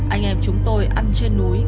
anh em chúng tôi ăn trên núi